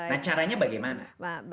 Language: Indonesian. nah caranya bagaimana